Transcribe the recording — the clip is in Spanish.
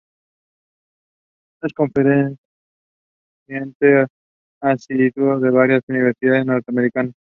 Es conferenciante asiduo en varias universidades norteamericanas, europeas.